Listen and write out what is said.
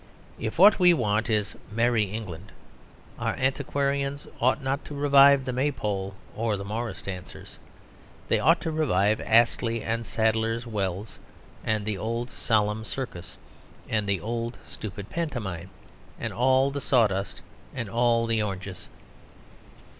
If what we want is Merry England, our antiquarians ought not to revive the Maypole or the Morris Dancers; they ought to revive Astley's and Sadler's Wells and the old solemn Circus and the old stupid Pantomime, and all the sawdust and all the oranges.